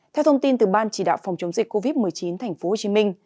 theo thông tin từ ban chỉ đạo phòng chống dịch covid một mươi chín tp hcm